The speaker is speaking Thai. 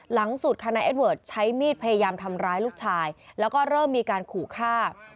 หลังสุดค่ะนายเอสเวิร์ดใช้มีดพยายามทำร้ายลูกชายแล้วก็เริ่มมีการขู่ฆ่า